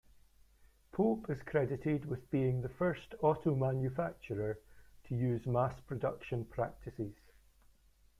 Pope is credited with being the first auto manufacturer to use mass production practices.